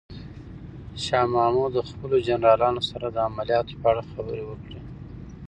شاه محمود د خپلو جنرالانو سره د عملیاتو په اړه خبرې وکړې.